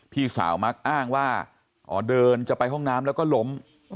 พี่สาวมักอ้างว่าอ๋อเดินจะไปห้องน้ำแล้วก็ล้ม